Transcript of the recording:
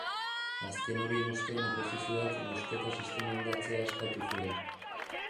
Azken horien ostean oposizioak bozketa sistema aldatzea eskatu zuen.